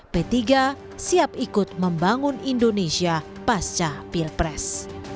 p tiga siap ikut membangun indonesia pasca pilpres